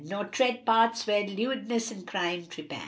* Nor tread paths where lewdness and crime trepan!